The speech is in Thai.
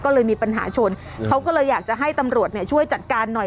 ก็เลยมีปัญหาชนเขาก็เลยอยากจะให้ตำรวจเนี่ยช่วยจัดการหน่อย